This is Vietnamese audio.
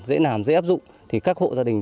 dễ làm dễ áp dụng thì các hộ gia đình